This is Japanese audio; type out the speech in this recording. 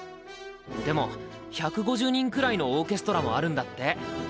でも１５０人くらいのオーケストラもあるんだって。